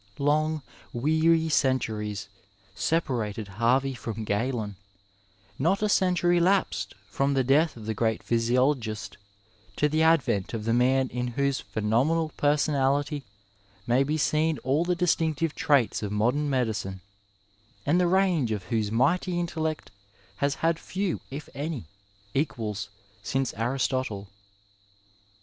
Long, weary centuries separated Harvey from Galen ; not a century elapsed from the death of the great physi ologist to the advent of the man in whose phenomenal personality may be seen all the distinctive traits of modem medicine, and the range of whose mighty intellect has had few, if any, equals since Aristotle.